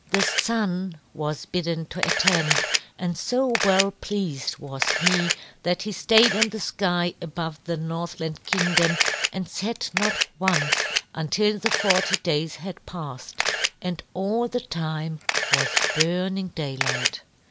The Sun was bidden to attend, and so well pleased was he that he stayed in the sky above the Northland Kingdom and set not once until the forty days had passed, and all that time was burning daylight.